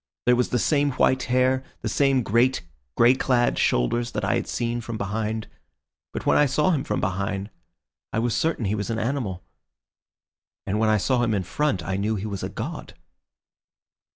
There was the same white hair, the same great, grey clad shoulders that I had seen from behind. But when I saw him from behind I was certain he was an animal, and when I saw him in front I knew he was a god."